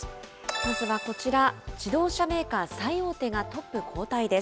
まずはこちら、自動車メーカー最大手がトップ交代です。